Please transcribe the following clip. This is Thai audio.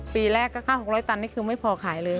ปีแรกก็ค่า๖๐๐ตันนี่คือไม่พอขายเลย